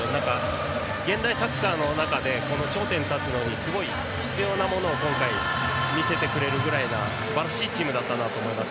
現代サッカーで頂点に立つのにすごく必要なものを見せてくれるぐらいのすばらしいチームだったと思います。